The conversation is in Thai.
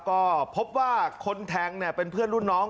ก็พบว่าคนแทงเป็นเพื่อนรุ่นน้อง